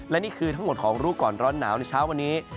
และนี่คือทั้งหมดของรู้ก่อนร้อนหนาวในเช้าวันนี้